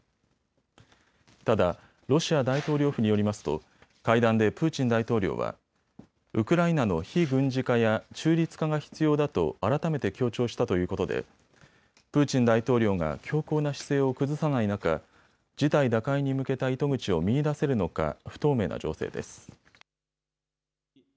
ただロシア大統領府によりますと会談でプーチン大統領はウクライナの非軍事化や中立化が必要だと改めて強調したということでプーチン大統領が強硬な姿勢を崩さない中、事態打開に向けた糸口を見いだせるのか不透明な情勢です。